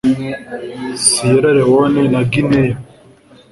Siyera Lewone na Gineya